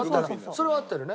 それは合ってるね。